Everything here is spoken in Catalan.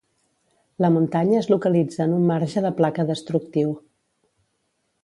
La muntanya es localitza en un marge de placa destructiu.